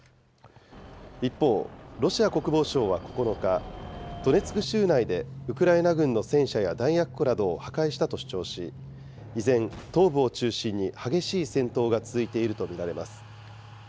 一方、ロシア国防省は９日、ドネツク州内でウクライナ軍の戦車や弾薬庫などを破壊したと主張し、依然、東部を中心に激しい戦闘が続いていると見られます。